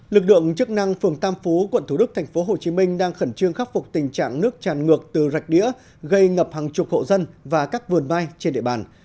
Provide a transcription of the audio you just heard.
lực lượng chức năng phường tam phú quận thủ đức tp hcm đang khẩn trương khắc phục tình trạng nước tràn ngược từ rạch đĩa gây ngập hàng chục hộ dân và các vườn mai trên địa bàn